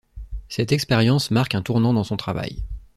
Cette expérience marque un tournant dans son travail.